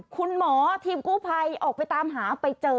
คุณหมอทีมกู้ภัยออกไปตามหาไปเจอ